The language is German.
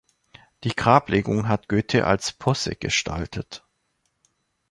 Die Grablegung hat Goethe als Posse gestaltet.